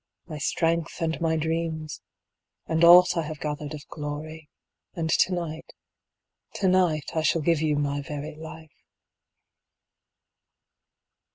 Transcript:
My strength and my dreams, and aught I have gathered of glory. And to night — to night, I shall give you my very life.